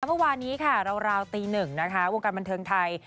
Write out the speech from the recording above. เมื่อวานนี้ค่ะราวตีหนึ่งนะคะวงการบันเทิงไทย